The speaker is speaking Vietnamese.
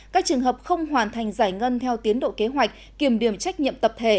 các trường hợp không hoàn thành giải ngân theo tiến độ kế hoạch kiểm điểm trách nhiệm tập thể